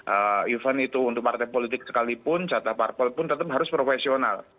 even itu untuk partai politik sekalipun tetap harus profesional